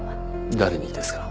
誰にですか？